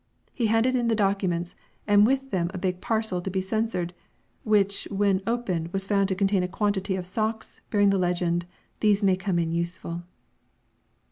He handed in the documents, and with them a big parcel to be censored, which when opened was found to contain a quantity of socks, bearing the legend: "These may come in useful."